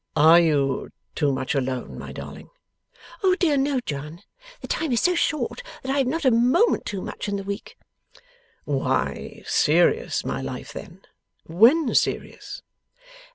'Are you too much alone, my darling?' 'O dear, no, John! The time is so short that I have not a moment too much in the week.' 'Why serious, my life, then? When serious?